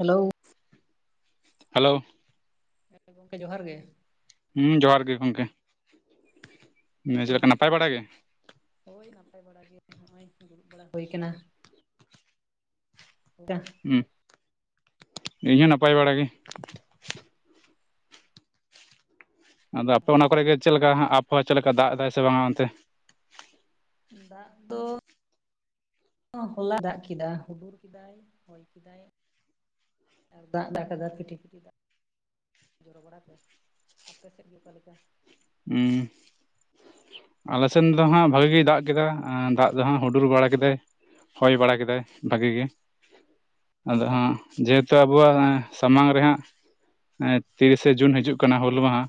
Hello. Hello. ᱦᱮᱸ ᱜᱚᱝᱠᱮ ᱡᱚᱦᱟᱨ ᱜᱮ᱾ ᱦᱩᱸ ᱡᱚᱦᱟᱨ ᱜᱮ ᱜᱚᱝᱠᱮ ᱾ ᱦᱮᱸ ᱪᱮᱫ ᱞᱮᱠᱟ ᱱᱟᱯᱟᱭ ᱵᱟᱲᱟ ᱜᱮ? ᱦᱳᱭ ᱱᱟᱯᱟᱭ ᱵᱟᱲᱟ ᱜᱮ ᱾ ᱱᱚᱜ-ᱚᱭ ᱫᱩᱲᱩᱵ ᱵᱟᱲᱟ ᱦᱩᱭ ᱠᱟᱱᱟ᱾ [unintelligible] ᱦᱩᱸ, ᱤᱧ ᱦᱚᱸ ᱱᱟᱯᱟᱭ ᱵᱟᱲᱟ ᱜᱮ ᱾ ᱟᱫᱚ ᱟᱯᱮ ᱚᱱᱟ ᱠᱚᱨᱮᱜᱮ ᱪᱮᱫ ᱞᱮᱠᱟ ᱟᱵᱚᱦᱟᱣᱟ ᱪᱮᱫ ᱞᱮᱠᱟ ᱫᱟᱜ ᱮᱫᱟᱭ ᱥᱮ ᱵᱟᱝᱟ ᱚᱱᱛᱮ? ᱫᱟᱜ ᱫᱚ ᱦᱚᱞᱟ ᱫᱟᱜ ᱠᱮᱫᱟ, ᱦᱩᱰᱩᱨ ᱠᱮᱫᱟᱭ, ᱦᱚᱭ ᱠᱮᱫᱟᱭ ᱾ ᱟᱨ ᱫᱟᱜ ᱫᱟ ᱠᱟᱫᱟ ᱯᱷᱤᱴᱤ ᱯᱤᱴᱤᱟᱜ [unintelligible] ᱫᱟᱜ ᱡᱚᱨᱚ [unintelligible] ᱟᱯᱮ ᱥᱮᱫ ᱜᱮ ᱚᱠᱟ ᱞᱮᱠᱟ? ᱩᱸ ᱾ ᱟᱞᱮ ᱥᱮᱱ ᱫᱚ ᱦᱟᱸᱜ ᱵᱷᱟᱜᱤ ᱜᱮᱭ ᱫᱟᱜ ᱠᱮᱫᱟ ᱫᱟᱜ ᱫᱚ ᱦᱟᱸᱜ ᱦᱩᱰᱩᱨ ᱵᱟᱲᱟ ᱠᱮᱫᱟᱭ ᱾ ᱦᱚᱭ ᱵᱟᱲᱟ ᱠᱮᱫᱟᱭ ᱵᱷᱟᱜᱤ ᱜᱮ ᱟᱫᱚ ᱚ ᱦᱟᱸᱜ ᱡᱮᱦᱮᱛᱩ ᱟᱵᱚᱣᱟᱜ ᱥᱟᱢᱟᱝ ᱨᱮ ᱦᱟᱸᱜ ᱮᱸ ᱛᱤᱨᱤᱥᱮ ᱡᱩᱱ ᱦᱤᱡᱩᱜ ᱠᱟᱱᱟ ᱦᱩᱞ ᱢᱟᱦᱟ,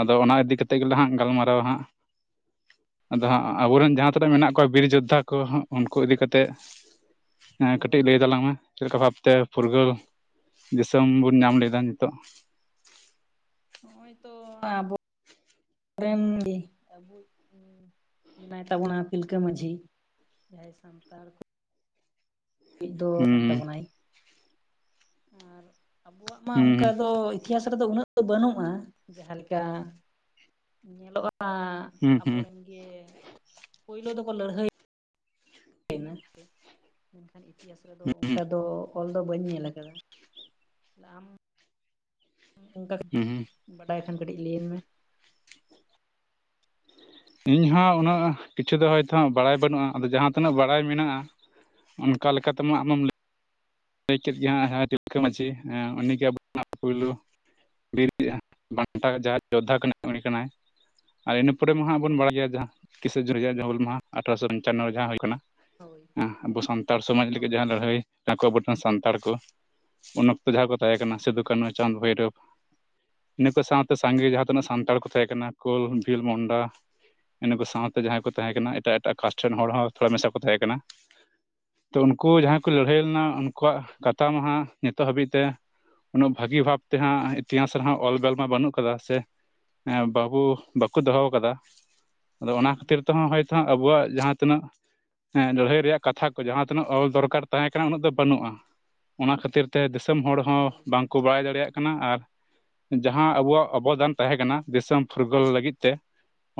ᱟᱫᱚ ᱚᱱᱟ ᱤᱫᱤ ᱠᱟᱛᱮ ᱜᱮᱞᱟᱝ ᱦᱟᱸᱜ ᱜᱟᱞᱢᱟᱨᱣᱟ ᱦᱟᱸᱜ ᱾ ᱟᱫᱚ ᱦᱟᱸᱜ ᱟᱵᱚ ᱨᱮᱱ ᱡᱟᱦᱟᱸ ᱛᱤᱱᱟᱹᱜ ᱢᱮᱱᱟᱜ ᱠᱚᱣᱟ ᱵᱤᱨ ᱡᱳᱫᱽᱫᱷᱟ ᱠᱚ ᱩᱱᱠᱩ ᱤᱫᱤ ᱠᱟᱛᱮ ᱮᱸ ᱦᱳᱭ ᱠᱟᱹᱴᱤᱡ ᱞᱟᱹᱭ ᱛᱟᱞᱟᱝ ᱢᱮ ᱾ ᱪᱮᱫ ᱞᱮᱠᱟ ᱵᱷᱟᱵᱛᱮ ᱯᱷᱩᱨᱜᱟᱹᱞ ᱫᱤᱥᱚᱢ ᱵᱚᱱ ᱧᱟᱢ ᱞᱮᱫᱟ ᱱᱤᱛᱚᱜ? ᱱᱚᱜᱼᱚᱭ ᱛᱚ ᱟᱵᱚ ᱨᱮᱱ ᱜᱮ [unintelligible] ᱢᱮᱱᱟᱭ ᱛᱟᱵᱚᱱᱟ ᱛᱤᱞᱠᱟᱹ ᱢᱟᱹᱡᱷᱤ ᱡᱟᱦᱟᱭ ᱥᱟᱱᱛᱟᱲ ᱠᱚ ᱟᱵᱚᱭᱤᱡ ᱫᱚ ᱦᱩᱸ ᱠᱟᱱ ᱛᱟᱵᱚᱱᱟᱭ ᱟᱨ ᱟᱵᱚᱣᱟᱜ ᱢᱟ ᱦᱩᱸ ᱚᱱᱠᱟ ᱫᱚ ᱤᱛᱤᱦᱟᱥ ᱨᱮᱫᱚ ᱩᱱᱟᱹᱜ ᱫᱚ ᱵᱟᱹᱱᱩᱜᱼᱟ ᱡᱟᱦᱟᱸ ᱞᱮᱠᱟ ᱧᱮᱞᱚᱜᱼᱟ ᱦᱩᱸ ᱾ ᱟᱵᱚ ᱦᱩᱸ ᱨᱮᱱ ᱜᱮ ᱯᱳᱭᱞᱳ ᱫᱚᱠᱚ ᱞᱟᱹᱲᱦᱟᱹᱭ [unintelligible] ᱢᱮᱱᱠᱷᱟᱱ ᱤᱛᱤᱦᱟᱥ ᱨᱮᱫᱚ ᱦᱩᱸ ᱚᱱᱠᱟ ᱫᱚ ᱚᱞ ᱫᱚ ᱵᱟᱹᱧ ᱧᱮᱞ ᱟᱠᱟᱫᱟ ᱾ ᱛᱟᱦᱞᱮ ᱟᱢ ᱚᱱᱠᱟ [unintelligible] ᱦᱩᱸ ᱦᱩᱸ ᱾ ᱵᱟᱰᱟᱭ ᱠᱷᱟᱱ ᱠᱟᱹᱴᱤᱡ ᱞᱟᱹᱭᱟᱹᱧ ᱢᱮ ᱾ ᱤᱧ ᱦᱚᱸ ᱩᱱᱟᱹᱜ ᱠᱤᱪᱷᱩ ᱫᱚ ᱦᱚᱭᱛᱚ ᱦᱟᱜ ᱵᱟᱲᱟᱭ ᱵᱟᱹᱱᱩᱜᱼᱟ ᱟᱫᱚ ᱡᱟᱦᱟᱸ ᱛᱤᱱᱟᱹᱜ ᱵᱟᱲᱟᱭ ᱢᱮᱱᱟᱜᱼᱟ ᱚᱱᱠᱟ ᱞᱮᱠᱟ ᱛᱮᱢᱟ ᱟᱢᱮᱢ ᱞᱟᱹᱭ ᱞᱟᱹᱭ ᱠᱮᱫ ᱜᱮ ᱦᱟᱸᱜ ᱛᱤᱞᱠᱟᱹ ᱢᱟᱺᱡᱷᱤ ᱩᱱᱤᱜᱮ ᱟᱵᱚ [unintelligible] ᱯᱩᱭᱞᱳ [unintelligible] ᱵᱤᱨ ᱵᱟᱱᱴᱟ ᱡᱟᱦᱟᱸᱭ ᱡᱳᱫᱽᱫᱷᱟ ᱠᱟᱱᱟᱭ ᱩᱱᱤ ᱠᱟᱱᱟᱭ ᱾ ᱟᱨ ᱤᱱᱟᱹ ᱯᱚᱨᱮ ᱢᱟ ᱦᱟᱸᱜ ᱵᱚᱱ ᱦᱩᱸ ᱵᱟᱲᱟᱭ ᱜᱮᱭᱟ ᱡᱟᱦᱟᱸ ᱛᱤᱥᱟᱹ ᱡᱩᱱ ᱨᱮᱭᱟᱜ ᱡᱟᱦᱟ ᱦᱩᱞ ᱢᱟᱦᱟ ᱟᱴᱷᱨᱚᱥᱚ ᱯᱚᱧᱪᱟᱱᱱᱚ ᱡᱟᱦᱟᱸ ᱦᱩᱭ ᱠᱟᱱᱟ ᱦᱳᱭ ᱟᱵᱚ ᱥᱟᱱᱛᱟᱲ ᱥᱚᱢᱟᱡᱽ ᱞᱟᱹᱜᱤᱫ ᱦᱳᱭ ᱡᱟᱦᱟᱸ ᱞᱟᱹᱲᱦᱟᱹᱭ ᱱᱟ ᱠᱚ ᱟᱵᱚ ᱴᱷᱮᱱ ᱥᱟᱱᱛᱟᱲ ᱠᱚ ᱩᱱ ᱡᱟᱦᱟᱸᱭ ᱠᱚ ᱛᱟᱦᱮᱸ ᱠᱟᱱᱟ ᱥᱤᱫᱩ, ᱦᱩᱸ ᱠᱟᱹᱱᱩ, ᱪᱟᱸᱫᱽ, ᱵᱷᱳᱭᱨᱳᱵᱽ ᱤᱱᱟᱹ ᱠᱚ ᱥᱟᱶᱛᱮ ᱥᱟᱸᱜᱮ ᱡᱟᱦᱟᱸ ᱛᱤᱱᱟᱹᱜ ᱥᱟᱱᱛᱟᱲ ᱠᱚ ᱛᱟᱦᱮᱸ ᱠᱟᱱᱟ ᱠᱳᱞ, ᱵᱷᱤᱞ, ᱢᱳᱱᱰᱟ ᱤᱱᱟᱹ ᱠᱚ ᱥᱟᱶᱛᱮ ᱡᱟᱦᱟᱸᱭ ᱠᱚ ᱛᱟᱦᱮᱸ ᱠᱟᱱᱟ ᱮᱴᱟᱜ ᱮᱴᱟᱜ ᱠᱟᱥᱴ ᱨᱮᱱ ᱦᱚᱲ ᱦᱚᱸ ᱛᱷᱚᱲᱟ ᱢᱮᱥᱟ ᱠᱚ ᱛᱟᱦᱮᱸ ᱠᱟᱱᱟ, ᱛᱚ ᱩᱱᱠᱩ ᱡᱟᱦᱟᱸᱭ ᱠᱚ ᱞᱟᱹᱲᱦᱟᱹᱭ ᱞᱮᱱᱟ ᱩᱱᱠᱩᱣᱟᱜ ᱠᱟᱛᱷᱟ ᱢᱟᱦᱟᱸᱜ ᱱᱤᱛᱚᱜ ᱦᱟᱹᱵᱤᱡ ᱛᱮ ᱩᱱᱟᱹᱜ ᱵᱷᱟᱹᱜᱤ ᱵᱷᱟᱵᱛᱮᱦᱟᱸᱜ ᱤᱛᱤᱦᱟᱸᱟᱥ ᱨᱮᱦᱚᱸ ᱚᱞ ᱵᱮᱞ ᱢᱟ ᱵᱟᱹᱱᱩᱜ ᱠᱟᱫᱟ ᱥᱮ ᱵᱟᱹᱵᱩ ᱵᱟᱠᱩ ᱫᱚᱦᱚ ᱠᱟᱫᱟ ᱟᱫᱚ ᱚᱱᱟ ᱦᱩᱸ ᱠᱷᱟᱹᱛᱤᱨ ᱛᱮᱦᱚᱸ ᱦᱚᱭ ᱛᱚ ᱦᱟᱸᱜ ᱟᱵᱩᱣᱟᱜ ᱡᱟᱦᱟᱸ ᱛᱤᱱᱟᱹᱜ ᱞᱟᱹᱲᱦᱟᱹᱭ ᱨᱮᱭᱟᱜ ᱠᱟᱛᱷᱟ ᱠᱚ ᱡᱟᱦᱟᱸ ᱛᱤᱱᱟᱹᱜ ᱚᱞ ᱫᱚᱨᱠᱟᱨ ᱛᱟᱦᱮᱸ ᱠᱟᱱᱟ ᱩᱱᱟᱹᱜ ᱫᱚ ᱵᱟᱹᱱᱩᱜ-ᱟ ᱚᱱᱟ ᱠᱷᱟᱹᱛᱤᱨ ᱛᱮ ᱫᱤᱥᱚᱢ ᱦᱚᱲ ᱦᱚᱸ ᱦᱳᱭ ᱵᱟᱝ ᱠᱩ ᱵᱟᱲᱟᱭ ᱫᱟᱲᱮᱭᱟᱜ ᱠᱟᱱᱟ ᱟᱨ ᱡᱟᱦᱟᱸ ᱟᱵᱚᱣᱟᱜ ᱚᱵᱚᱫᱟᱱ ᱛᱟᱦᱮᱸ ᱠᱟᱱᱟ ᱫᱤᱥᱚᱢ ᱯᱷᱩᱨᱜᱟᱹᱞ ᱦᱩᱸ ᱞᱟᱹᱜᱤᱫ ᱛᱮ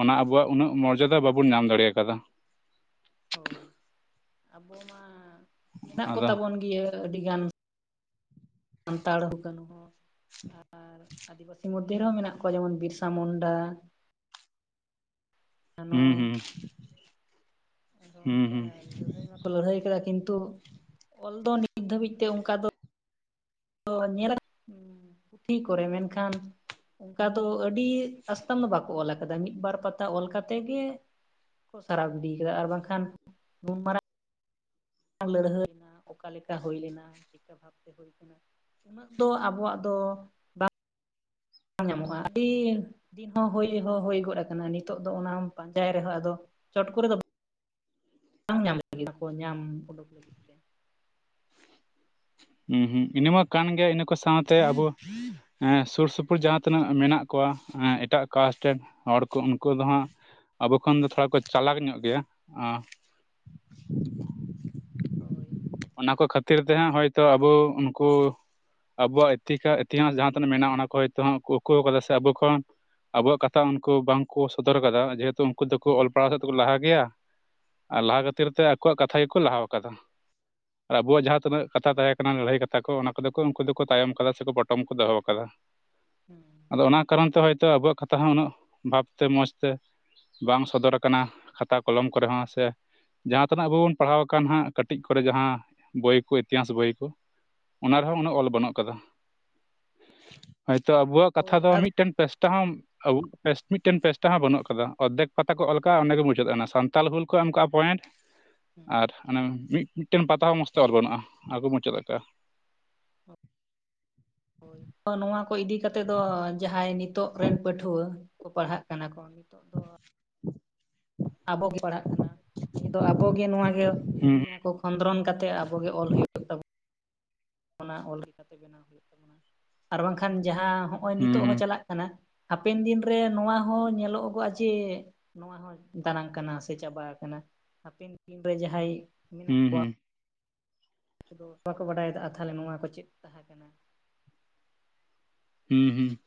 ᱚᱱᱟ ᱦᱩᱸ ᱟᱵᱚᱣᱟᱜ ᱩᱱᱟᱹᱜ ᱢᱚᱨᱡᱟᱫᱟ ᱵᱟᱵᱚᱱ ᱧᱟᱢ ᱫᱟᱲᱮᱭ ᱟᱠᱟᱫᱟ᱾ ᱦᱳᱭ ᱟᱵᱚ ᱢᱟ ᱢᱮᱱᱟᱜ ᱟᱫᱚ ᱠᱚᱛᱟᱵᱚᱱ ᱜᱮᱭᱟᱹ ᱟᱹᱰᱤ ᱜᱟᱱ ᱥᱟᱱᱛᱟᱲ ᱠᱟᱱᱩ ᱦᱚᱸ ᱟᱨ ᱟᱫᱤᱵᱟᱹᱥᱤ ᱢᱚᱫ ᱫᱷᱮ ᱨᱮ ᱦᱚᱸ ᱢᱮᱱᱟᱜ ᱠᱚᱣᱟ ᱡᱮᱢᱚᱱ ᱵᱤᱨᱥᱟ ᱢᱩᱱᱰᱟ, ᱟᱱᱚ ᱦᱩᱸ ᱦᱩᱸ ᱟᱨᱦᱚᱸ ᱦᱩᱸ ᱚᱝᱠᱟ ᱦᱩᱸ ᱞᱟᱹᱲᱦᱟᱹᱭ ᱢᱟᱠ ᱞᱟᱹᱲᱦᱟᱹᱭ ᱠᱟᱫᱟ ᱠᱤᱱᱛᱩ ᱚᱞ ᱫᱚ ᱱᱤᱛ ᱫᱷᱟᱹᱵᱤᱡ ᱛᱮ ᱚᱝᱠᱟ ᱫᱚ ᱛᱚ ᱧᱮᱞ ᱯᱩᱛᱷᱤ ᱠᱚᱨᱮ ᱢᱮᱱᱠᱷᱟᱱ ᱚᱝᱠᱟ ᱫᱚ ᱟᱹᱰᱤ ᱟᱥᱛᱟᱷᱟᱢ ᱫᱚ ᱵᱟᱠᱚ ᱚᱞ ᱟᱠᱟᱫᱟ ᱢᱤᱫᱵᱟᱨ ᱯᱟ ᱛᱟ ᱚᱞ ᱠᱟᱛᱮ ᱜᱮ ᱠᱚ ᱥᱟᱨᱟᱣ ᱜᱤᱰᱤᱭ ᱠᱟᱫᱟ ᱟᱨ ᱵᱟᱝᱠᱷᱟᱱ ᱢᱟᱨᱟᱝ ᱱᱩᱱ ᱢᱟᱨᱟᱝ ᱞᱟᱹᱲᱦᱟᱹᱭᱮᱱᱟ ᱚᱠᱟ ᱞᱮᱠᱟ ᱦᱩᱭ ᱞᱮᱱᱟ ᱪᱮᱜᱠᱟ ᱵᱷᱟᱵᱛᱮ ᱦᱩᱭ ᱩᱱᱟᱹᱜ ᱫᱚ ᱟᱵᱚᱣᱟᱜ ᱫᱚ ᱵᱟᱝ ᱧᱟᱢᱚᱜ-ᱟ ᱟᱹᱰᱤ ᱫᱤᱱ ᱦᱚᱸ ᱦᱳᱭ ᱦᱚᱸ ᱦᱳᱭ ᱜᱚᱫ ᱟᱠᱟᱱᱟ ᱱᱤᱛᱚᱜ ᱫᱚ ᱚᱱᱟᱢ ᱯᱟᱸᱡᱟᱭ ᱨᱮᱦᱚᱸ ᱟᱫᱚ ᱪᱚᱴ ᱠᱚᱨᱮ ᱫᱚ ᱵᱟᱝ ᱧᱟᱢ ᱞᱟᱹᱜᱤ ᱧᱟᱢ ᱳᱰᱳᱠ ᱞᱟᱹᱜᱤᱫ ᱛᱮ ᱦᱩᱸ ᱦᱩᱸ ᱤᱱᱟᱹᱢᱟ ᱠᱟᱱ ᱜᱮ ᱤᱱᱟᱹ ᱠᱚ ᱥᱟᱶᱛᱮ ᱟᱵᱚ ᱦᱮᱸ ᱥᱩᱨ ᱥᱩᱯᱩᱨ ᱡᱟᱦᱟᱸ ᱛᱤᱱᱟᱹᱜ ᱢᱮᱱᱟᱜ ᱠᱚᱣᱟ ᱮᱴᱟᱜ ᱠᱟᱥᱴ ᱨᱮᱱ ᱦᱚᱲ ᱠᱚ ᱩᱱᱠᱩ ᱫᱚ ᱦᱟᱸᱜ ᱟᱵᱚ ᱠᱷᱚᱱ ᱫᱚ ᱛᱷᱚᱲᱟ ᱠᱚ ᱪᱟᱞᱟᱠ ᱧᱚᱜ ᱜᱮᱭᱟ᱾ ᱦᱳᱭ ᱚᱱᱟᱠᱚ ᱠᱷᱟᱹᱛᱤᱨ ᱛᱮ ᱦᱟᱸᱜ ᱦᱳᱭᱛᱚ ᱟᱵᱚ ᱩᱱᱠᱩ ᱟᱵᱚᱣᱟᱜ ᱤᱛᱤᱠᱟ ᱤᱛᱤᱦᱟᱥ ᱡᱟᱦᱟᱸ ᱛᱤᱱᱟᱹᱜ ᱢᱮᱱᱟᱜ-ᱟ ᱚᱱᱟ ᱠᱚ ᱦᱳᱭᱛ ᱦᱟᱸᱜ ᱠᱚ ᱩᱠᱩᱣ ᱠᱟᱫᱟ ᱥᱮ ᱟᱵᱚ ᱠᱷᱚᱱ ᱟᱵᱚᱣᱟᱜ ᱠᱟᱛᱷᱟ ᱩᱱᱠᱩ ᱵᱟᱝᱠᱚ ᱥᱚᱫᱚᱨ ᱠᱟᱫᱟ ᱡᱮᱦᱮᱛᱩ ᱩᱱᱠᱩ ᱫᱚᱠᱚ ᱚᱞ ᱯᱟᱲᱟᱣ ᱥᱮᱫ ᱛᱮᱠᱚ ᱞᱟᱦᱟ ᱜᱮᱭᱟ, ᱟᱨ ᱦᱩᱸ ᱞᱟᱦᱟ ᱠᱷᱟᱹᱛᱤᱨ ᱛᱮ ᱟᱠᱚᱣᱟᱜ ᱠᱟᱛᱷᱟ ᱜᱮᱠᱚ ᱞᱟᱦᱟᱣ ᱠᱟᱫᱟ᱾ ᱟᱨ ᱟᱵᱚᱣᱟᱜ ᱡᱟᱦᱟᱸ ᱛᱤᱱᱟᱹᱜ ᱠᱟᱛᱷᱟ ᱛᱟᱦᱮᱸ ᱠᱟᱱᱟ ᱞᱟᱹᱲᱦᱟᱹᱭ ᱠᱟᱛᱷᱟ ᱠᱚ ᱚᱱᱟ ᱠᱚᱫᱚ ᱠᱚ ᱩᱱᱠᱩ ᱫᱚᱠᱚ ᱛᱟᱭᱚᱢ ᱠᱟᱫᱟ ᱥᱮᱠᱚ ᱯᱚᱴᱚᱢ ᱠᱚ ᱫᱚᱦᱚᱣ ᱠᱟᱫᱟ᱾ ᱦᱩᱸ ᱚᱱᱟ ᱠᱟᱨᱚᱱ ᱛᱮ ᱦᱳᱭᱛᱚ ᱟᱵᱚᱣᱟᱜ ᱠᱟᱛᱷᱟ ᱦᱚᱸ ᱩᱱᱟᱹᱜ ᱵᱷᱟᱵᱛᱮ ᱢᱚᱸᱡᱽ ᱛᱮ ᱵᱟᱝ ᱥᱚᱫᱚᱨᱟ ᱠᱟᱱᱟ ᱠᱷᱟᱛᱟ ᱠᱚᱞᱚᱢ ᱠᱚᱨᱮ ᱦᱚᱸ ᱥᱮ ᱡᱟᱦᱟᱸ ᱛᱤᱱᱟᱹᱜ ᱟᱵᱚ ᱵᱚᱱ ᱯᱟᱲᱦᱟᱣ ᱟᱠᱟᱱ ᱦᱟᱸᱜ ᱠᱟᱹᱴᱤᱡ ᱠᱚᱨᱮ ᱡᱟᱦᱟᱸ ᱵᱳᱚᱭ ᱠᱚ ᱤᱛᱤᱦᱟᱸᱟᱥ ᱵᱳᱚᱭ ᱠᱚ ᱚᱱᱟ ᱦᱩᱸ ᱨᱮᱦᱚᱸ ᱩᱱᱟᱹᱜ ᱚᱞ ᱵᱟᱹᱱᱩᱜ ᱠᱟᱫᱟ᱾ ᱦᱳᱭᱛᱚ ᱟᱵᱚᱣᱟᱜ ᱦᱳᱭ ᱠᱟᱛᱷᱟ ᱫᱚ ᱟᱫᱚ ᱢᱤᱫᱴᱮᱱ ᱯᱮᱥᱴᱟ ᱦᱚᱸ ᱟᱹᱣᱩᱜ ᱯᱮᱥ ᱢᱤᱫᱴᱮᱱ ᱯᱮᱥᱴᱟ ᱦᱚᱸ ᱵᱟᱹᱱᱩᱜ ᱠᱟᱫᱟ ᱚᱫᱫᱷᱮᱠ ᱯᱟᱛᱟ ᱠᱚ ᱚᱞ ᱟᱠᱟᱜ-ᱟ ᱚᱸᱰᱮ ᱜᱮ ᱢᱩᱪᱟᱹᱫ ᱮᱱᱟ ᱥᱟᱱᱛᱟᱞ ᱦᱩᱞ ᱠᱚ ᱮᱢ ᱠᱟᱜ-ᱟ ᱯᱚᱭᱮᱱᱴ [inaudible] ᱟᱨ ᱚᱱᱮ ᱢᱤᱫ ᱢᱤᱫᱴᱮᱱ ᱯᱟᱛᱟ ᱦᱚᱸ ᱢᱚᱸᱡᱽ ᱛᱮ ᱚᱞ ᱵᱟᱹᱱᱩᱜ-ᱟ ᱟᱨᱠᱚ ᱢᱩᱪᱟᱹᱫ ᱟᱠᱟᱜ-ᱟ᱾ ᱦᱳᱭ ᱱᱚᱣᱟ ᱠᱚ ᱤᱫᱤ ᱠᱟᱛᱮ ᱫᱚ ᱡᱟᱦᱟᱸᱭ ᱱᱤᱛᱚᱜ ᱨᱮᱱ ᱯᱟᱹᱴᱷᱩᱣᱟᱹ ᱠᱚ ᱯᱟᱲᱦᱟᱜ ᱠᱟᱱᱟ ᱠᱚ ᱛᱚᱜ ᱫᱚ [unintelligible] ᱟᱵᱚᱜᱮ ᱯᱟᱲᱦᱟᱜ ᱠᱟᱱᱟ ᱛᱚ ᱟᱵᱚ ᱜᱮ ᱱᱚᱣᱟ ᱜᱮ ᱦᱩᱸ ᱱᱤᱭᱟᱹ ᱠᱚ ᱠᱷᱚᱸᱫᱽᱨᱚᱱ ᱠᱟᱛᱮᱫ ᱟᱵᱚ ᱜᱮ ᱚᱞ ᱦᱩᱭᱩᱜ ᱚᱱᱟ ᱚᱞ ᱞᱮᱠᱟᱛᱮ ᱵᱮᱱᱟᱣ ᱦᱩᱭᱩᱜ ᱛᱟᱵᱚᱱᱟ ᱟᱨ ᱵᱟᱝᱠᱷᱟᱱ ᱡᱟᱦᱟᱸ ᱱᱚᱜᱼᱚᱭ ᱦᱩᱸ ᱱᱤᱛᱚᱜ ᱦᱩᱸ ᱦᱚᱸ ᱪᱟᱞᱟᱜ ᱠᱟᱱᱟ ᱦᱟᱯᱮᱱ ᱫᱤᱱᱨᱮ ᱱᱚᱣᱟ ᱦᱚᱸ ᱧᱮᱞᱚᱜᱚᱜᱼᱟ ᱡᱮ ᱱᱚᱣᱟ ᱫᱟᱱᱟᱝ ᱠᱟᱱᱟ ᱥᱮ ᱪᱟᱵᱟ ᱟᱠᱟᱱᱟ ᱦᱟᱯᱮᱱ ᱫᱤᱱᱨᱮ ᱡᱟᱦᱟᱸᱭ ᱢᱮᱱᱟᱜ ᱦᱩᱸ ᱠᱚᱣᱟ ᱦᱩᱸ ᱵᱟᱠᱚ ᱵᱟᱰᱟᱭ ᱟᱠᱟᱜᱼᱟ ᱛᱟᱞᱦᱮ ᱱᱚᱣᱟ ᱠᱚ ᱪᱮᱫ ᱛᱟᱦᱮᱸ ᱠᱟᱱᱟ ᱦᱩᱸ ᱦᱩᱸ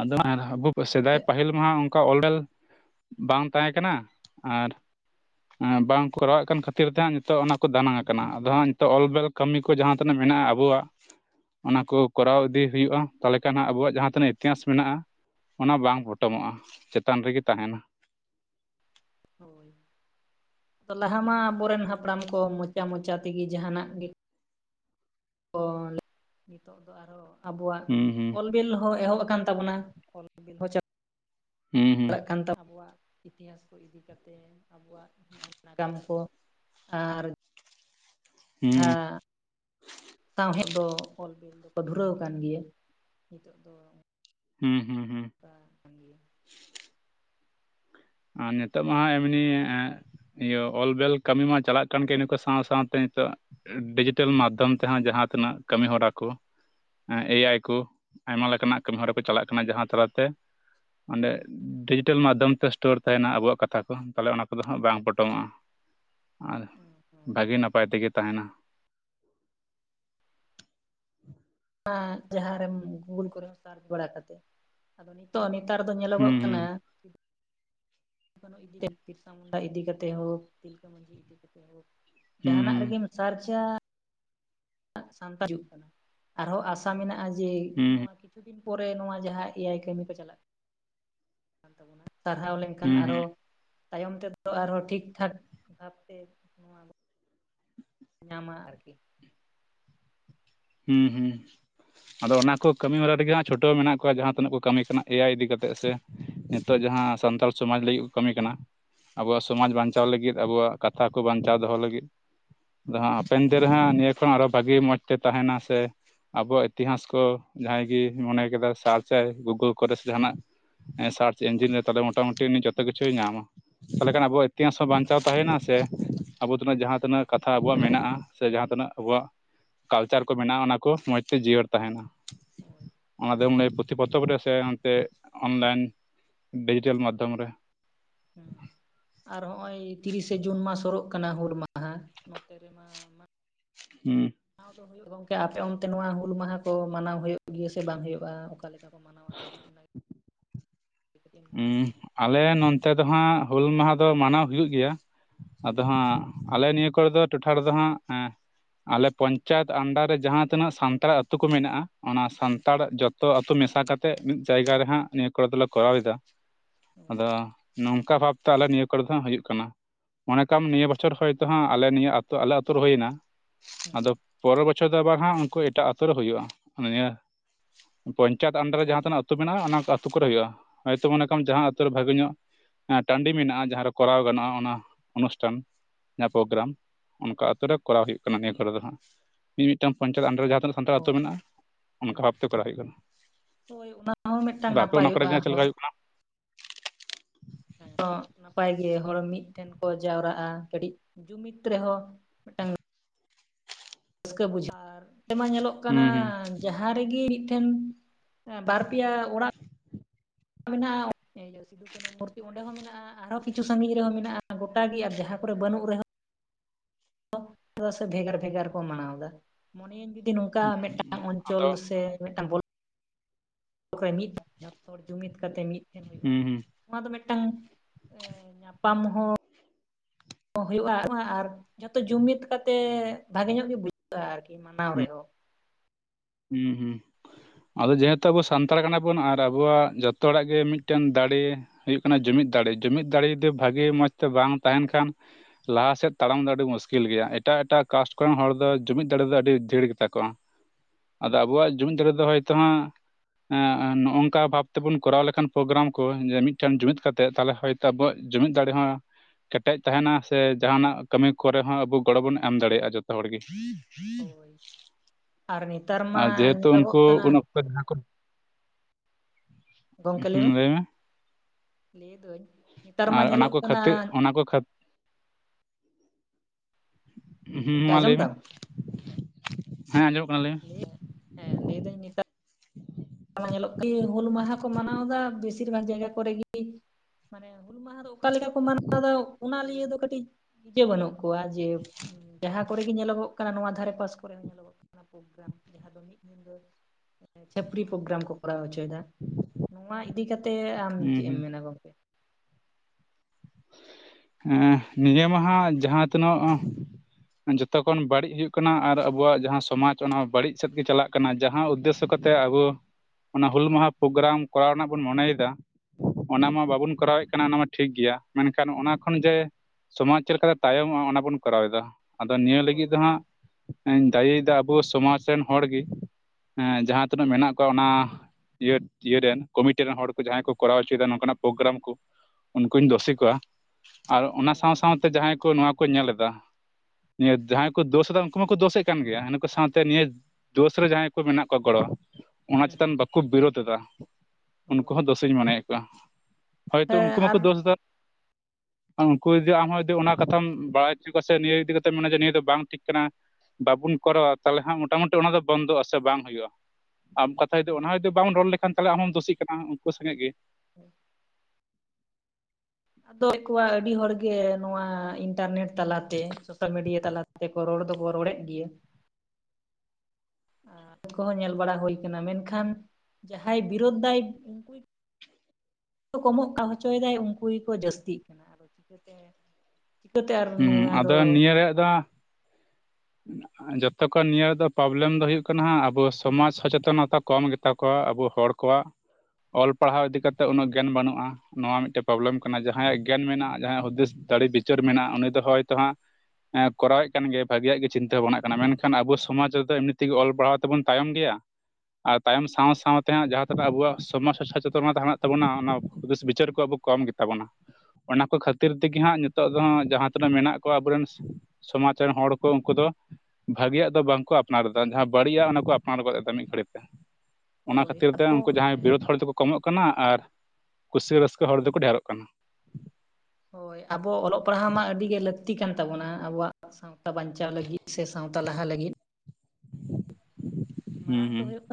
ᱟᱫᱚ ᱟᱵᱚ ᱥᱮᱫᱟᱭ ᱜᱚᱝᱠᱮ ᱯᱟᱹᱦᱤᱞ ᱢᱟᱦᱟ ᱚᱱᱠᱟ ᱚᱞᱵᱮᱞ ᱵᱟᱝ ᱛᱟᱦᱮᱸ ᱠᱟᱱᱟ ᱟᱨ ᱵᱟᱝ ᱠᱚᱨᱟᱣ ᱮᱫ ᱠᱟᱱ ᱠᱷᱟᱹᱛᱤᱨ ᱛᱮ ᱦᱟᱸᱜ ᱱᱤᱛᱚᱜ ᱚᱱᱟ ᱠᱚ ᱫᱟᱱᱟᱝ ᱟᱠᱟᱱᱟ ᱟᱫᱚ ᱦᱟᱸᱜ ᱱᱤᱛᱚᱜ ᱚᱞᱵᱮᱞ ᱠᱟᱹᱢᱤ ᱠᱚ ᱡᱟᱦᱟᱸ ᱛᱤᱱᱟᱹᱜ ᱢᱮᱱᱟᱜᱼᱟ ᱟᱵᱚᱣᱟᱜ ᱚᱱᱟ ᱠᱚ ᱠᱚᱨᱟᱣ ᱤᱫᱤ ᱦᱩᱭᱩᱜᱼᱟ ᱛᱟᱦᱚᱞᱮ ᱠᱷᱟᱱ ᱦᱟᱸᱜ ᱟᱵᱚᱣᱟᱜ ᱡᱟᱦᱟᱸ ᱛᱤᱱᱟᱹᱜ ᱤᱛᱤᱦᱟᱥ ᱢᱮᱱᱟᱜᱼᱟ ᱚᱱᱟ ᱵᱟᱝ ᱯᱚᱴᱚᱢᱚᱜᱼᱟ ᱪᱮᱛᱟᱱ ᱨᱮᱜᱮ ᱛᱟᱦᱮᱱᱟ ᱦᱳᱭ ᱛᱚ ᱞᱟᱦᱟ ᱢᱟ ᱟᱵᱚᱨᱮᱱ ᱦᱟᱯᱲᱟᱢ ᱠᱚ ᱢᱚᱪᱟ ᱢᱚᱪᱟ ᱛᱮᱜᱮ ᱡᱟᱦᱟᱱᱟᱜ ᱜᱮ ᱦᱳᱭ ᱱᱤᱛᱚᱜ ᱫᱚ ᱟᱨᱚ ᱟᱵᱚᱣᱟᱜ ᱦᱩᱸ ᱦᱩᱸ ᱵᱤᱞ ᱦᱚᱸ ᱮᱦᱚᱵ ᱟᱠᱟᱱ ᱛᱟᱵᱚᱱᱟ ᱚᱞ ᱵᱤᱞ ᱦᱚᱸ ᱦᱩᱸ ᱦᱩᱸ ᱪᱟᱞᱟᱜ ᱠᱟᱱ ᱛᱟᱵᱚᱶᱟ ᱤᱛᱤᱦᱟᱥ ᱠᱚ ᱤᱫᱤ ᱠᱟᱛᱮ ᱟᱵᱚᱣᱟᱜ ᱱᱚᱜᱚᱭ ᱱᱟᱜᱟᱢ ᱠᱚ ᱟᱨ ᱦᱩᱸ ᱦᱮᱸ ᱥᱟᱣᱦᱮᱫ ᱫᱚ ᱚᱞ ᱵᱤᱞ ᱫᱚᱠᱚ ᱫᱷᱩᱨᱟᱹᱣ ᱟᱠᱟᱱ ᱜᱮᱭᱟ ᱦᱩᱸ ᱦᱩᱸ ᱦᱩᱸ ᱚᱱᱠᱟ ᱠᱟᱱ ᱜᱮᱭᱟ ᱟᱨ ᱱᱤᱛᱚᱜ ᱢᱟ ᱮᱢᱱᱤ ᱮᱸᱜ ᱤᱭᱟᱹ ᱚᱞᱵᱮᱞ ᱠᱟᱹᱢᱤ ᱢᱟ ᱪᱟᱞᱟᱜ ᱠᱟᱱ ᱜᱮ ᱤᱱᱟ. ᱠᱚ ᱥᱟᱶ ᱥᱟᱶᱛᱮ ᱱᱤᱛᱚᱜ ᱰᱤᱡᱤᱴᱮᱞ ᱢᱟᱫᱽᱫᱷᱚᱢ ᱛᱮᱦᱚᱸ ᱡᱟᱦᱟᱸᱛᱤᱤᱱᱟᱹᱜ ᱠᱟᱹᱢᱤ ᱦᱚᱨᱟ ᱠᱚ ᱮ ᱟᱭ ᱠᱚ ᱟᱭᱢᱟᱼᱼ ᱠᱟᱱᱟ ᱠᱟᱹᱢᱤ ᱦᱚᱨᱟ ᱠᱚ ᱪᱟᱞᱟᱜ ᱠᱟᱱᱟ ᱡᱟᱦᱟᱸ ᱛᱟᱞᱟᱛᱮ ᱚᱸᱰᱮ ᱰᱤᱡᱤᱴᱮᱞ ᱢᱟᱫᱽᱫᱷᱚᱢ ᱛᱮ ᱥᱴᱳᱨ ᱛᱟᱦᱮᱱᱟ ᱟᱵᱚᱣᱟᱜ ᱠᱟᱛᱷᱟ ᱠᱚ ᱛᱟᱦᱚᱞᱮ ᱚᱱᱟ ᱠᱚᱫᱚ ᱦᱟᱸᱜ ᱵᱟᱝ ᱯᱚᱴᱚᱢᱚᱜᱼᱟ ᱟᱨ ᱵᱷᱟᱜᱮ ᱱᱟᱯᱟᱭ ᱱᱟᱯᱟᱭ ᱛᱮᱜᱮ ᱛᱟᱦᱮᱱᱟ ᱮᱸᱜ ᱡᱟᱦᱟᱸᱨᱮᱢ ᱜᱩᱜᱩᱞ ᱠᱚᱨᱮ ᱥᱟᱨᱪ ᱵᱟᱲᱟ ᱠᱟᱛᱮᱫ ᱛᱚ ᱱᱮᱛᱟᱨ ᱫᱚ ᱦᱩᱸ ᱧᱮᱞᱚᱜᱚᱜ ᱠᱟᱱᱟ ᱦᱩᱸ ᱳ ᱤᱫᱤ ᱵᱤᱨᱥᱟ ᱢᱩᱱᱰᱟ ᱤᱫᱤ ᱠᱟᱛᱮ ᱦᱳ ᱛᱤᱞᱠᱟᱹ ᱢᱟᱹᱡᱷᱤ ᱤᱫᱤ ᱠᱟᱛᱮ ᱦᱳ ᱦᱩᱸ ᱡᱟᱦᱟᱱᱟᱜ ᱦᱩᱸ ᱨᱮᱜᱮᱢ ᱥᱟᱨᱡᱟ ᱥᱟᱱᱛᱟᱲ ᱦᱤᱡ ᱠᱟᱱᱟ ᱟᱨᱦᱚᱸ ᱟᱥᱟ ᱢᱮᱱᱟᱜᱼᱟ ᱡᱮ ᱱᱚᱣᱟ ᱠᱤᱪᱷᱩ ᱫᱤᱱ ᱯᱚᱨᱮ ᱱᱚᱣᱟ ᱡᱟᱦᱟᱸ ᱮ ᱟᱭ ᱠᱟᱹᱢᱤ ᱠᱚ ᱪᱟᱞᱟᱜ ᱠᱟᱱ ᱛᱟᱵᱚᱱᱟ ᱥᱟᱨᱦᱟᱣ ᱞᱮᱱᱠᱷᱟᱱ ᱦᱩᱸ ᱦᱩᱸ ᱟᱨᱦᱚᱸ ᱛᱟᱭᱚᱢ ᱛᱮᱫᱚ ᱟᱨᱦᱚᱸ ᱴᱷᱤᱠ ᱴᱷᱟᱠ ᱵᱷᱟᱵᱛᱮ ᱱᱚᱣᱟ ᱵᱚᱱ ᱧᱟᱢᱟ ᱟᱨᱠᱤ ᱦᱮᱸ ᱦᱩᱸ ᱟᱫᱚ ᱚᱱᱟ ᱠᱚ ᱠᱟᱹᱢᱤ ᱦᱚᱨᱟ ᱨᱮᱜᱮ ᱦᱟᱸᱜ ᱪᱷᱩᱴᱟᱹᱣ ᱢᱮᱱᱟᱜ ᱠᱚᱣᱟ ᱡᱟᱦᱟᱸ ᱛᱤᱱᱟᱹᱜ ᱠᱚ ᱠᱟᱹᱢᱤ ᱠᱟᱱᱟ ᱮᱭᱟᱭ ᱤᱫᱤ ᱠᱟᱛᱮᱜ ᱥᱮ ᱱᱤᱛᱚᱜ ᱡᱟᱦᱟᱸ ᱥᱟᱱᱛᱟᱲ ᱥᱚᱢᱟᱡᱽ ᱞᱟᱹᱜᱤᱫ ᱠᱚ ᱠᱟᱹᱢᱤ ᱠᱟᱱᱟ ᱟᱵᱚᱣᱟᱜ ᱥᱚᱢᱟᱡ ᱵᱟᱧᱪᱟᱣ ᱞᱟᱹᱜᱤᱫ ᱟᱵᱚᱣᱟᱜ ᱠᱟᱛᱷᱟ ᱠᱚ ᱵᱟᱧᱪᱟᱣ ᱫᱚᱦᱚ ᱞᱟᱹᱜᱤᱫ ᱟᱫᱚ ᱦᱳᱭ ᱦᱟᱸᱜ ᱦᱟᱯᱮᱱ ᱫᱤᱱ ᱨᱮ ᱦᱟᱸᱜ ᱱᱤᱭᱟᱹ ᱠᱷᱚᱱ ᱟᱨᱚ ᱵᱷᱟᱜᱤ ᱢᱚᱸᱡᱽ ᱛᱮ ᱛᱟᱦᱮᱱᱟ ᱥᱮ ᱟᱵᱚᱣᱟᱜ ᱤᱛᱤᱦᱟᱥ ᱠᱚ ᱡᱟᱦᱟᱸᱭ ᱜᱮ ᱢᱚᱱᱮ ᱠᱮᱫᱟ ᱥᱟᱨᱪᱟᱭ ᱜᱩᱜᱳᱞ ᱠᱚᱨᱮ ᱥᱮ ᱡᱟᱦᱟᱱᱟᱜ ᱥᱟᱨᱪ ᱤᱧᱡᱤᱱ ᱨᱮ ᱛᱟᱦᱚᱞᱮ ᱢᱚᱴᱴᱟᱢᱩᱴᱤ ᱩᱱᱤ ᱡᱚᱛᱚ ᱠᱤᱪᱷᱩᱭ ᱧᱟᱢᱟ ᱛᱟᱦᱚᱞᱮ ᱠᱷᱟᱱ ᱟᱵᱚᱣᱟᱜ ᱤᱛᱤᱟᱦᱟᱥ ᱦᱚᱸ ᱵᱟᱧᱪᱟᱣ ᱛᱟᱦᱮᱭᱮᱱᱟ ᱥᱮ ᱟᱵᱚ ᱛᱤᱱᱟᱹᱜ ᱡᱟᱦᱟᱸ ᱛᱤᱱᱟᱹᱜ ᱠᱟᱛᱷᱟ ᱟᱵᱚᱣᱟᱜ ᱢᱮᱱᱟᱜᱼᱟ, ᱥᱮ ᱡᱟᱦᱟᱸᱛᱤᱤᱱᱟᱹᱜ ᱟᱵᱚᱣᱟᱜ ᱠᱟᱞᱪᱟᱨ ᱠᱚ ᱢᱮᱱᱟᱜᱼᱟ, ᱚᱱᱟ ᱠᱚ ᱢᱚᱸᱡ ᱛᱮ ᱡᱤᱭᱟᱹᱲ ᱛᱟᱦᱮᱱᱟ᱾ ᱦᱳᱭ ᱚᱱᱟ ᱫᱚᱢ ᱞᱟᱹᱭ ᱯᱩᱛᱷᱤ ᱯᱚᱛᱚᱵ ᱨᱮ ᱥᱮ ᱚᱱᱛᱮ ᱚᱱᱞᱟᱭᱤᱱ ᱰᱤᱡᱤᱴᱮᱞ ᱢᱟᱫᱽᱫᱷᱚᱢ ᱨᱮ᱾ ᱦᱚᱸ ᱟᱨ ᱦᱚᱸᱜ ᱚᱚᱭ ᱛᱤᱨᱤᱥᱮ ᱡᱩᱱ ᱢᱟᱥ ᱦᱚᱨᱚᱜ ᱠᱟᱱᱟ ᱦᱩᱞ ᱢᱟ ᱦᱟᱸ ᱱᱚᱛᱮ ᱨᱮ ᱢᱟ ᱩᱸ᱾ ᱢᱟᱱᱟᱣ ᱫᱚ ᱦᱳᱭᱳᱜ ᱜᱮᱭᱟ ᱜᱚᱝᱠᱮ ᱟᱯᱮ ᱚᱱᱛᱮ ᱱᱚᱣᱟ ᱦᱩᱞ ᱢᱟᱦᱟ ᱠᱚ ᱢᱟᱱᱟᱣ ᱦᱩᱭᱩᱜ ᱜᱮᱭᱟ ᱥᱮ ᱵᱟᱝ ᱦᱩᱭᱩᱜᱼᱟ ᱚᱠᱟ ᱞᱮᱠᱟ ᱢᱟᱱᱟᱣᱟ ᱠᱟᱹᱴᱤᱡ ᱚᱱᱟᱜᱮ ᱩᱸ ᱟᱞᱮ ᱱᱚᱱᱛᱮᱮ ᱫᱚ ᱦᱟᱸᱜ ᱦᱩᱞ ᱢᱟᱦᱟ ᱫᱚ ᱢᱟᱱᱟᱣ ᱦᱩᱭᱩᱜ ᱜᱮᱭᱟ, ᱟᱫᱚ ᱦᱟᱸᱜ ᱟᱞᱮ ᱱᱤᱭᱟᱹ ᱠᱚᱨᱮ ᱫᱚ ᱴᱚᱴᱷᱟ ᱨᱮᱫᱚ ᱦᱟᱸᱜ ᱮᱸ ᱟᱞᱮ ᱯᱚᱧᱪᱟᱭᱮᱛ ᱟᱱᱰᱟᱨ ᱨᱮ ᱡᱟᱦᱟᱸ ᱛᱤᱱᱟᱹᱜ ᱥᱟᱱᱛᱟᱲᱟᱜ ᱟᱹᱛᱩ ᱠᱚ ᱢᱮᱱᱟᱜᱼᱟ ᱚᱱᱟ ᱥᱟᱱᱛᱟᱲ ᱡᱚᱛᱚ ᱟᱛᱳ ᱢᱮᱥᱟ ᱠᱟᱛᱮᱜ ᱢᱤᱫ ᱡᱟᱭᱜᱟ ᱨᱮ ᱦᱟᱸᱜ ᱱᱤᱭᱟᱹ ᱠᱚᱲᱟ ᱫᱚᱞᱮ ᱠᱚᱨᱟᱣ ᱫᱟ᱾ ᱦᱳᱭ ᱟᱫᱚ ᱱᱚᱝᱠᱟ ᱵᱷᱟᱵᱛᱮ ᱟᱞᱮ ᱱᱤᱭᱟᱹ ᱠᱚᱨᱮ ᱫᱚ ᱦᱟᱸᱜ ᱦᱩᱭᱩᱜ ᱠᱟᱱᱟ᱾ ᱢᱚᱱᱮ ᱠᱟᱢ ᱱᱤᱭᱟᱹ ᱵᱚᱪᱷᱚᱨ ᱦᱚᱭᱛᱳ ᱦᱟᱸᱜ ᱟᱞᱮ ᱱᱤᱭᱟᱹ ᱟᱹᱛᱩ ᱟᱞᱮ ᱟᱹᱛᱩ ᱨᱮ ᱦᱩᱭᱱᱟ, ᱦᱩᱸ ᱟᱫᱚ ᱯᱚᱨᱮᱨ ᱵᱚᱪᱷᱚᱨ ᱫᱚ ᱟᱵᱟᱨ ᱦᱟᱸᱜ ᱩᱱᱠᱩ ᱮᱴᱟᱜ ᱟᱛᱳᱮ ᱦᱩᱭᱩᱜᱼᱟ ᱱᱤᱭᱟᱹ ᱯᱚᱧᱪᱟᱭᱮᱛ ᱟᱱᱰᱟᱨ ᱨᱮ ᱡᱟᱦᱟᱸ ᱛᱤᱱᱟᱹ ᱟᱹᱛᱩ ᱢᱮᱱᱟᱜᱼᱟ, ᱚᱱᱟ ᱟᱹᱛᱩ ᱠᱚᱨᱮ ᱦᱩᱭᱩᱜᱼᱟ᱾ ᱦᱳᱭ ᱛᱚ ᱢᱮᱠᱟᱢ ᱡᱟᱦᱟᱸ ᱡᱟᱸᱦᱟᱸ ᱟᱹᱛᱩᱳ ᱨᱮ ᱵᱷᱟᱹᱜᱤ ᱧᱚᱜ ᱴᱟᱺᱰᱤ ᱢᱮᱱᱟᱜᱼᱟ ᱡᱟᱦᱟᱸᱨᱮ ᱠᱚᱨᱟᱣ ᱜᱟᱱᱚᱜᱼᱟ ᱚᱱᱟ ᱚᱱᱩᱥᱴᱷᱟᱱ ᱡᱟᱦᱟᱸ ᱯᱨᱳᱜᱨᱟᱢ ᱚᱱᱠᱟ ᱟᱛᱩᱨ ᱨᱮ ᱠᱚᱨᱟᱣ ᱦᱩᱭᱩᱜ ᱠᱟᱱᱟ ᱱᱤᱭᱟᱹ ᱠᱚᱨᱮ ᱫᱚ ᱦᱟᱸᱜ ᱢᱤᱫᱤᱫᱴᱟᱝ ᱯᱚᱧᱪᱟᱭᱮᱛ ᱟᱱᱰᱟᱨ ᱨᱮ ᱡᱟᱦᱟᱸ ᱛᱤᱱᱟᱹᱜ ᱥᱟᱱᱛᱟᱲ ᱚ ᱟᱛᱳ ᱢᱮᱱᱟᱜᱼᱟ, ᱚᱱᱠᱟ ᱦᱩᱸ ᱵᱷᱟᱵᱛᱮ ᱠᱚᱨᱟᱣ ᱦᱩᱭᱩᱜ ᱠᱟᱱᱟ᱾ ᱦᱳᱭ ᱚᱱᱟ ᱦᱚᱸ ᱢᱤᱫᱴᱟᱝ ᱟᱫᱚ ᱟᱯᱮ ᱚᱱᱟ ᱠᱚᱨᱮ ᱱᱟᱯᱟᱭᱚᱜᱼᱟ ᱜᱮ ᱪᱮᱫ ᱟᱨᱦᱚ᱾ ᱞᱮᱠᱟ ᱦᱩᱭᱩᱜ ᱠᱟᱱᱟ ᱟᱫᱚ ᱱᱟᱯᱟᱭ ᱜᱮ ᱦᱚᱲ ᱢᱤᱫᱴᱮᱱ ᱠᱚ ᱡᱟᱣᱨᱟᱜᱼᱟ ᱠᱟᱹᱴᱤᱡ ᱡᱩᱢᱤᱫ ᱨᱮᱦᱚ ᱢᱤᱫᱴᱟᱝ ᱨᱟᱹᱥᱠᱟᱹ ᱵᱩᱡᱷᱟᱹᱜᱼᱟ ᱟᱨ ᱱᱮ ᱢᱟ ᱧᱮᱞᱚᱜ ᱠᱟᱱᱟ ᱦᱩᱸ ᱦᱩᱸ ᱡᱟᱦᱟᱸ ᱨᱮᱜᱮ ᱢᱤᱫᱴᱷᱮᱱ ᱵᱟᱨ ᱯᱮᱭᱟ ᱚᱲᱟᱜ ᱢᱮᱱᱟᱜᱼᱟ ᱤᱭᱟᱹ ᱥᱤᱫᱩ ᱠᱟᱹᱱᱩ ᱢᱩᱨᱛᱤ ᱚᱸᱰᱮ ᱦᱚᱸ ᱢᱮᱱᱟᱜᱼᱟ᱾ ᱟᱨᱦᱚᱸ ᱠᱤᱪᱷᱩ ᱥᱟᱺᱜᱤᱧ ᱨᱮᱦᱚᱸ ᱢᱮᱱᱟᱜᱼᱟ ᱜᱚᱴᱟᱜ ᱜᱮ ᱟᱨ ᱡᱟᱦᱟᱸ ᱠᱚᱨᱮ ᱵᱟᱹᱱᱩᱜ ᱨᱮᱦᱚᱸ ᱥᱮ ᱵᱷᱮᱜᱟᱨ ᱵᱷᱮᱜᱟᱨ ᱠᱚ ᱢᱟᱱᱟᱣᱫᱟ᱾ ᱢᱚᱱᱮᱭᱧ ᱡᱩᱫᱤ ᱱᱚᱝᱠᱟ ᱢᱤᱫᱴᱟᱝ ᱚᱧᱪᱚᱞ ᱟᱫᱚ ᱥᱮ ᱢᱤᱫᱟᱝ ᱵᱚ ᱞᱚᱠ ᱨᱮ ᱢᱤᱫ ᱫᱷᱟᱣ ᱡᱷᱚᱛᱚ ᱡᱩᱢᱤᱫ ᱠᱟᱛᱮ ᱢᱤᱫ ᱫᱷᱮᱱ ᱦᱩᱭᱩᱜᱼᱟ, ᱦᱩᱸ ᱦᱩᱸ ᱚᱱᱟ ᱫᱚ ᱢᱤᱫᱴᱟᱝ ᱮ ᱧᱟᱯᱟᱢ ᱦᱚᱸ ᱦᱚᱸ ᱦᱩᱭᱩᱜᱼᱟ ᱟᱨ ᱡᱷᱚᱛᱚ ᱡᱩᱢᱤᱫ ᱠᱟᱛᱮ ᱵᱷᱟᱜᱮ ᱧᱚᱜ ᱜᱮ ᱵᱩᱡᱷᱟᱹᱜᱼᱟ ᱟᱨᱠᱤ ᱢᱟᱱᱟᱣ ᱦᱩᱸ ᱨᱮᱦᱚᱸ᱾ ᱦᱩᱸ ᱦᱩᱸ᱾ ᱟᱫᱚ ᱡᱮᱦᱮᱛᱩ ᱟᱵᱚ ᱥᱟᱱᱛᱟᱲ ᱠᱟᱱᱟ ᱵᱚᱱ ᱟᱨ ᱟᱵᱚᱣᱟᱜ ᱡᱷᱚᱛᱚ ᱦᱚᱲᱟᱜ ᱜᱮ ᱢᱤᱫᱴᱟᱝ ᱫᱟᱲᱮ ᱦᱩᱭᱩᱜ ᱠᱟᱱᱟ ᱡᱩᱢᱤᱫ ᱫᱟᱲᱮ ᱡᱩᱢᱤᱫ ᱫᱟᱲᱮ ᱡᱚᱫᱤ ᱵᱷᱟᱜᱮ ᱢᱚᱡᱛᱮ ᱵᱟᱝ ᱛᱟᱦᱮᱸᱱ ᱠᱷᱟᱱ ᱞᱟᱦᱟ ᱥᱮᱫ ᱛᱟᱲᱟᱢ ᱫᱚ ᱟᱹᱰᱤ ᱢᱩᱥᱠᱤᱞ ᱜᱮᱭᱟ ᱮᱴᱟᱜ ᱮᱴᱟᱜ ᱠᱟᱥᱴ ᱠᱚᱨᱮᱱ ᱦᱚᱲ ᱫᱚ ᱡᱩᱢᱤᱫ ᱫᱟᱲᱮ ᱫᱚ ᱟᱹᱰᱤ ᱫᱷᱤᱲ ᱜᱮᱛᱟ ᱠᱚᱣᱟ᱾ ᱟᱫᱚ ᱟᱵᱚᱣᱟᱜ ᱡᱩᱢᱤᱫ ᱫᱟᱲᱮ ᱫᱚ ᱦᱚᱭᱛᱳ ᱦᱟᱸᱜ ᱮᱸᱜ ᱱᱚᱜᱼᱚᱝᱠᱟ ᱵᱷᱟᱵ ᱛᱮᱵᱚᱱ ᱠᱚᱨᱟᱣ ᱞᱮᱠᱷᱟᱱ ᱯᱨᱳᱜᱨᱟᱢ ᱠᱚ ᱡᱮ ᱢᱤᱫᱴᱮᱱ ᱡᱩᱢᱤᱫ ᱠᱟᱛᱮᱜ ᱛᱟᱦᱚᱞᱮ ᱦᱚᱭ ᱛᱚ ᱟᱵᱚᱣᱟᱜ ᱡᱩᱢᱤᱫ ᱫᱟᱲᱮ ᱦᱚᱸ ᱠᱮᱴᱮᱡ ᱛᱟᱦᱮᱸᱱᱟ ᱥᱮ ᱡᱟᱸᱦᱟᱸᱱᱟᱜ ᱠᱟᱹᱢᱤ ᱠᱚᱨᱮ ᱦᱚᱸ ᱟᱵᱚ ᱜᱚᱲᱚ ᱵᱚᱱ ᱮᱢ ᱫᱟᱲᱮᱭᱟᱜᱼᱟ ᱡᱷᱚᱛᱚ ᱦᱚᱲ ᱜᱮ᱾ ᱦᱳᱭ ᱟᱨ ᱱᱤᱛᱟᱨ ᱢᱟ ᱟᱨ ᱡᱮᱦᱮᱛᱩ ᱧᱮᱞᱚᱜᱚᱜ ᱩᱱᱠᱩ ᱠᱟᱱᱟ [unintelligible] ᱦᱩᱸ ᱞᱟᱹᱭ ᱢᱮ᱾ ᱞᱟᱹᱭ ᱫᱟᱹᱧ ᱱᱮᱛᱟᱨ ᱢᱟ ᱟᱨ ᱚᱱᱟ ᱧᱮᱞᱚᱜ ᱠᱚ ᱠᱟᱱᱟ ᱠᱷᱟᱹᱛᱤᱨ ᱚᱱᱟ ᱠᱚ ᱠᱷᱟ ᱦᱩᱸ ᱜᱚᱝᱠᱮ ᱢᱟ ᱟᱸᱡᱚᱢ ᱞᱟᱹᱭ ᱢᱮ᱾ ᱫᱟᱢ ᱦᱮᱸ ᱟᱸᱡᱚᱢᱚᱜ ᱠᱟᱱ [unintelligible] [unintelligible] ᱦᱮᱸ ᱞᱟᱹᱭ ᱫᱟᱹᱧ ᱱᱮᱛᱟᱨ [inaudible] ᱧᱮᱞᱚᱜ [unintelligible] ᱦᱩᱞ ᱢᱟᱦᱟᱸ ᱠᱚ ᱢᱟᱱᱟᱣᱫᱟ ᱵᱤᱥᱤᱨ ᱵᱷᱟᱜᱽ ᱡᱟᱭᱜᱟ ᱠᱚᱨᱮ ᱜᱤ ᱢᱟᱱᱮ ᱦᱩᱞ ᱢᱟᱦᱟᱸ ᱫᱚ ᱚᱠᱟ ᱞᱮᱠᱟ ᱠᱚ ᱢᱟᱱᱟᱣᱫᱟ ᱚᱱᱟ ᱞᱤᱭᱮ ᱫᱚ ᱠᱟᱹᱴᱤᱡ ᱪᱮᱫ ᱵᱟᱹᱱᱩᱜ ᱠᱚᱣᱟ ᱡᱮ ᱡᱟᱦᱟᱸ ᱠᱚᱨᱮ ᱜᱮ ᱧᱮᱞᱚᱜᱚᱜ ᱠᱟᱱᱟ ᱱᱚᱣᱟ ᱫᱷᱟᱨᱮ ᱯᱟᱥ ᱠᱚᱨᱮ ᱦᱚᱸ ᱧᱮᱞᱚᱜᱚᱜ ᱠᱟᱱᱟ ᱯᱨᱳᱜᱽᱨᱟᱢ ᱡᱟᱦᱟᱸ ᱫᱚ ᱢᱤᱫ ᱧᱤᱸᱫᱟᱹ ᱮᱸ ᱪᱷᱟᱹ [unintelligible] ᱯᱨᱤ ᱯᱨᱳᱜᱽᱨᱟᱢ ᱠᱚ ᱠᱚᱨᱟᱣ ᱦᱚᱪᱚᱭᱮᱫᱟ ᱱᱚᱶᱟᱸ ᱤᱫᱤ ᱠᱟᱛᱮ ᱟᱢ ᱢᱮ ᱪᱮᱜ ᱮᱢ ᱦᱩᱸ ᱢᱮᱱᱟ? ᱩᱸ ᱱᱤᱡᱮ ᱢᱟ ᱦᱟᱸᱜ ᱡᱟᱦᱟᱸ ᱛᱤᱱᱟᱹᱜᱼᱟᱸᱦ ᱡᱚᱛᱚ ᱠᱷᱚᱱ ᱵᱟᱹᱲᱤᱡ ᱦᱩᱭᱩᱜ ᱠᱟᱱᱟ ᱟᱨ ᱟᱵᱳᱣᱟᱜ ᱡᱟᱦᱟᱸ ᱥᱚᱢᱟᱡᱽ ᱚᱱᱟ ᱵᱟᱹᱲᱤᱡ ᱥᱮᱫ ᱜᱤ ᱪᱟᱞᱟᱜ ᱠᱟᱱᱟ ᱡᱟᱦᱟᱸ ᱩᱫ ᱫᱽᱫᱮᱥᱚ ᱠᱟᱛᱮ ᱟᱵᱳ ᱚᱱᱟ ᱦᱩᱞ ᱢᱟᱦᱟᱸ ᱯᱨᱳᱜᱽᱨᱟᱢ ᱠᱚᱨᱟᱣ ᱨᱮᱱᱟᱜ ᱵᱚᱱ ᱢᱚᱱᱮᱭᱮᱫᱟ᱾ ᱚᱱᱟ ᱢᱟ ᱵᱟᱵᱳᱱ ᱠᱚᱨᱟᱣᱮᱜ ᱠᱟᱱᱟ ᱚᱱᱟ ᱢᱟ ᱴᱷᱤᱠ ᱜᱮᱭᱟ᱾ ᱢᱮᱱᱠᱷᱟᱱ ᱚᱱᱟ ᱠᱷᱚᱱ ᱡᱮ ᱥᱚᱢᱟᱡᱽ ᱪᱮᱫ ᱞᱮᱠᱟᱛᱮ ᱛᱟᱭᱚᱢᱚᱜᱼᱟ? ᱚᱱᱟ ᱵᱳᱱ ᱠᱚᱨᱟᱣᱮᱫᱟ᱾ ᱟᱫᱚ ᱱᱤᱭᱟᱹ ᱞᱟᱹᱜᱤᱫ ᱫᱚ ᱦᱳᱭ ᱦᱟᱸᱜ ᱮᱧ ᱫᱟᱹᱭᱤᱭᱫᱟ ᱟᱵᱳ ᱥᱚᱢᱟᱡᱽ ᱨᱮᱱ ᱦᱚᱲ ᱜᱤ ᱮᱸ ᱡᱟᱦᱟᱸ ᱛᱤᱱᱟᱹᱜ ᱢᱮᱱᱟᱜ ᱠᱚᱣᱟ ᱚᱱᱟ ᱤᱭᱟᱹ ᱤᱭᱟᱹᱨᱮᱱ ᱠᱚᱢᱤᱴᱤᱨᱮᱱ ᱦᱚᱲᱠᱚ ᱡᱟᱦᱟᱸᱭ ᱠᱚ ᱠᱚᱨᱟᱣ ᱦᱚᱪᱚᱭᱮᱫᱟ ᱱᱚᱝᱠᱟᱱᱟᱜ ᱯᱨᱳᱜᱽᱨᱟᱢ ᱠᱚ ᱩᱱᱠᱩᱧ ᱦᱩᱸ ᱫᱚᱥᱮ ᱠᱚᱭᱟ ᱟᱨ ᱚᱱᱟ ᱥᱟᱶ ᱦᱳᱭ ᱥᱟᱶᱛᱮ ᱡᱟᱦᱟᱸᱭ ᱠᱚ ᱱᱚᱣᱟ ᱠᱚ ᱧᱮᱞᱮᱫᱟ᱾ ᱱᱤᱭᱟᱹ ᱡᱟᱦᱟᱸᱭ ᱠᱚ ᱫᱳᱥᱮᱫᱟ ᱩᱝᱠᱩ ᱢᱟᱠᱚ ᱫᱳᱥᱮᱜ ᱠᱟᱱ ᱜᱮᱭᱟ ᱱᱳᱠᱳ ᱥᱟᱶᱛᱮ ᱱᱤᱭᱟᱹ ᱫᱳᱥ ᱨᱮ ᱡᱟᱦᱟᱸᱭ ᱠᱚ ᱢᱮᱱᱟᱜ ᱠᱚᱣᱟ ᱜᱚᱲᱚ ᱚᱱᱟ ᱦᱩᱸ ᱪᱮᱛᱟᱱ ᱵᱟᱠᱚ ᱵᱤᱨᱳᱫᱷᱫᱟ ᱩᱱᱠᱩ ᱦᱳᱭ ᱦᱚᱸ ᱫᱳᱥᱤᱧ ᱢᱚᱱᱮᱭᱮᱫ ᱠᱚᱣᱟ᱾ ᱦᱳᱭᱛᱳ ᱩᱱᱠᱩ ᱦᱮᱸ ᱟᱨ ᱢᱟᱠᱚ ᱫᱳᱥ ᱩᱱᱠᱩ ᱡᱩᱫᱤ ᱟᱢᱦᱚᱸ ᱡᱩᱫᱤ ᱚᱱᱟ ᱠᱟᱛᱷᱟᱢ ᱵᱟᱲᱟᱭ ᱦᱚᱪᱚ ᱠᱚᱣᱟ ᱥᱮ ᱱᱤᱭᱟᱹ ᱤᱫᱤ ᱠᱟᱛᱮ ᱢᱟᱱᱮ ᱱᱤᱭᱟᱹ ᱫᱚ ᱵᱟᱝ ᱴᱷᱤᱠ ᱠᱟᱱᱟ᱾ ᱵᱟᱵᱳᱱ ᱠᱚᱨᱟᱣᱟ ᱛᱟᱦᱚᱞᱮ ᱦᱟᱸᱜ ᱢᱚᱴᱟᱢᱩᱴᱤ ᱚᱱᱟ ᱫᱚ ᱵᱚᱱᱫᱚᱜᱼᱟᱥᱮ ᱵᱟᱝ ᱦᱩᱭᱩᱜᱼᱟ ᱟᱵ [unintelligible] ᱦᱩᱸ ᱚᱱᱟ ᱡᱩᱫᱤ ᱵᱟᱢ ᱨᱚᱲ ᱞᱮᱠᱷᱟᱱ ᱛᱟᱦᱚᱞᱮ ᱟᱦᱚᱸᱢ ᱫᱳᱥᱤᱜ ᱠᱟᱱᱟ ᱩᱱᱠᱩ ᱥᱚᱝᱜᱮ ᱜᱮ᱾ ᱟᱫᱚ ᱮᱱᱠᱚᱣᱟ ᱟᱹᱰᱤ ᱦᱚᱲ ᱜᱮ ᱱᱚᱣᱟ ᱤᱱᱴᱟᱨᱱᱮᱴ ᱛᱟᱞᱟᱛᱮ ᱥᱳᱥᱟᱞ ᱢᱤᱰᱤᱭᱟ ᱛᱟᱞᱟ ᱛᱮᱠᱚ ᱨᱚᱲ ᱫᱚᱠᱚ ᱨᱚᱲᱮᱫ ᱜᱮᱭᱟ᱾ ᱩᱱᱠᱩ ᱦᱚᱸ ᱧᱮᱞ ᱵᱟᱲᱟ ᱦᱩᱭ ᱠᱟᱱᱟ ᱢᱮᱱᱠᱷᱟᱱ ᱡᱟᱦᱟᱸᱭ ᱵᱤᱨᱳᱫ ᱫᱟᱭ ᱩᱱᱠᱩ ᱠᱚᱢᱚᱜ ᱦᱚᱪᱚᱭᱮᱫᱟᱭ ᱩᱝᱠᱩ ᱜᱮᱠᱚ ᱡᱟᱹᱥᱛᱤᱜ ᱠᱟᱱᱟ ᱟᱨᱚ ᱪᱤᱠᱟᱹᱛᱮ ᱪᱤᱠᱟᱹᱛᱮ ᱟᱨ ᱦᱩᱸ ᱱᱚᱭᱟ ᱫᱚ ᱟᱫᱚ ᱱᱤᱭᱟᱹ ᱨᱮᱭᱟᱜ ᱫᱚ ᱦᱟᱸᱜ [inaudible] ᱡᱚᱛᱚ ᱠᱷᱚᱱ ᱱᱤᱭᱟᱹ ᱫᱚ ᱯᱨᱚᱵᱽᱞᱮᱢ ᱫᱚ ᱦᱩᱭᱩᱜ ᱠᱟᱱᱟ ᱦᱟᱸᱜ ᱟᱵᱚ ᱥᱚᱢᱟᱡᱽ ᱥᱚᱪᱮᱛᱚᱱᱚᱛᱟ ᱠᱚᱢ ᱜᱮ ᱛᱟᱠᱚᱣᱟ ᱟᱵᱚ ᱦᱚᱲ ᱠᱚᱣᱟᱜ ᱚᱞ ᱯᱟᱲᱦᱟᱣ ᱤᱫᱤ ᱠᱟᱛᱮᱜ ᱩᱱᱟᱹᱜ ᱜᱮᱭᱟᱱ ᱵᱟᱹᱱᱩᱜᱼᱟ᱾ ᱱᱚᱣᱟ ᱢᱤᱜᱴᱮᱜ ᱯᱨᱚᱵᱽᱞᱮᱢ ᱠᱟᱱᱟ ᱡᱟᱦᱟᱸᱭᱟᱜ ᱜᱮᱭᱟᱱ ᱢᱮᱱᱟᱜᱼᱟ ᱡᱟᱦᱟᱸᱭᱟᱜ ᱦᱩᱫᱤᱥ ᱫᱟᱲᱮ ᱵᱤᱪᱟᱹᱨ ᱢᱮᱱᱟᱜᱼᱟ ᱩᱱᱤ ᱫᱚ ᱦᱚᱭᱛᱳ ᱦᱟᱸᱜ ᱦᱮᱸ ᱠᱚᱨᱟᱣᱮᱜ ᱠᱟᱱ ᱜᱮᱭᱟᱭ ᱵᱷᱟᱹᱜᱤᱭᱟᱜ ᱜᱮ ᱪᱤᱱᱛᱟᱹ ᱵᱷᱟᱵᱽᱱᱟᱜ ᱠᱟᱱᱟ ᱢᱮᱱᱠᱷᱟᱱ ᱟᱵᱚ ᱥᱚᱢᱟᱡᱽ ᱨᱮᱫᱚ ᱮᱢᱱᱤ ᱛᱮᱜᱮ ᱚᱞ ᱯᱟᱲᱦᱟᱣ ᱛᱮᱵᱚᱱ ᱛᱟᱭᱚᱢ ᱜᱮᱭᱟ᱾ ᱟᱨ ᱛᱟᱭᱚᱢ ᱥᱟᱶ ᱥᱟᱶᱛᱮ ᱦᱟᱸᱜ ᱡᱟᱦᱟᱸ ᱛᱤᱱᱟᱹᱜ ᱟᱵᱩᱣᱟᱜ ᱥᱚᱢᱟᱡᱽ ᱥᱚᱪᱮᱛᱚ ᱱᱚᱛᱟ ᱦᱚ ᱢᱮᱱᱟᱜ ᱛᱟᱵᱚᱱᱟ ᱚᱱᱟᱩᱫᱤᱥ ᱵᱤᱪᱟᱹᱨ ᱠᱚ ᱟᱵᱚ ᱠᱚᱢ ᱛᱟᱵᱚᱱᱟ ᱚᱱᱟ ᱠᱚ ᱠᱷᱟᱹᱛᱤᱨ ᱛᱮᱜᱮ ᱦᱟᱸᱜ ᱱᱤᱛᱚᱜ ᱦᱳᱭ ᱫᱚᱸᱦ ᱡᱟᱦᱟᱸ ᱛᱤᱱᱟᱹᱜ ᱢᱮᱱᱟᱜ ᱠᱚᱣᱟ ᱟᱵᱚᱨᱮᱱ ᱥᱚᱢᱟᱡᱽ ᱨᱮᱱ ᱦᱚᱲ ᱠᱚ ᱩᱱᱠᱩᱫᱚ ᱵᱷᱟᱹᱜᱤᱭᱟᱜ ᱫᱚ ᱵᱟᱝᱠᱚ ᱟᱯᱱᱟᱨᱮᱫᱟ᱾ ᱡᱟᱦᱟᱸ ᱵᱟᱹᱲᱤᱡᱼᱟᱜ ᱚᱱᱟ ᱠᱚ ᱟᱯᱱᱟᱨ ᱜᱚᱫᱼᱫᱟ ᱢᱤᱫ ᱜᱷᱟᱹᱲᱤᱡ ᱛᱮ᱾ ᱚᱱᱟ ᱦᱳᱭ ᱠᱷᱟᱹᱛᱤᱨ ᱛᱮ ᱟᱵᱚ ᱩᱱᱠᱩ ᱡᱟᱦᱟᱸᱭ ᱦᱮᱸ ᱵᱤᱨᱳᱫᱷ ᱦᱚᱲ ᱫᱚᱠᱚ ᱠᱚᱢᱚᱜ ᱠᱟᱱᱟ ᱟᱨ ᱠᱩᱥᱤ ᱨᱟᱹᱥᱠᱟᱹ ᱦᱚᱲ ᱫᱚᱠᱚ ᱰᱷᱮᱨᱚᱜ ᱠᱟᱱᱟ᱾ ᱦᱳᱭ ᱟᱵᱚ ᱚᱞᱚᱜ ᱯᱟᱲᱦᱟᱣ ᱢᱟ ᱟᱹᱰᱤᱜᱮ ᱞᱟᱹᱠᱛᱤ ᱠᱟᱱ ᱛᱟᱵᱚᱱᱟ᱾ ᱟᱵᱚᱣᱟᱜ ᱥᱟᱶᱛᱟ ᱵᱟᱧᱪᱟᱣ ᱞᱟᱹᱜᱤᱫ ᱥᱮ ᱥᱟᱶᱛᱟ ᱞᱟᱦᱟ ᱞᱟᱹᱜᱤᱫ, ᱦᱩᱸ ᱢᱟᱨᱟᱝ ᱫᱚ ᱦᱩᱸ ᱦᱩᱭᱩᱜ ᱠᱟᱱᱟ